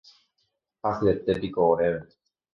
Hasyetépiko oréve